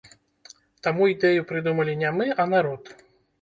Таму ідэю прыдумалі не мы, а народ.